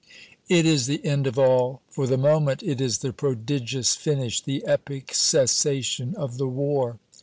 It is the end of all. For the moment it is the prodigious finish, the epic cessation of the war.